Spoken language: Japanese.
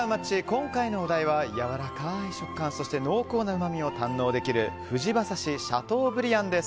今回のお題は、やわらかい食感そして濃厚なうまみを堪能できるふじ馬刺しシャトーブリアンです。